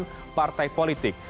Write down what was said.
dari partai politik